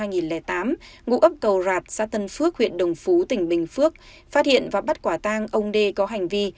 ngụ ấp cầu rạt xã tân phước huyện đồng phú tỉnh bình phước phát hiện và bắt quả tang ông d có hành vi